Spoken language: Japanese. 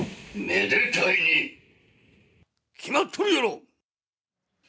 めでたいに決まっとるやろ！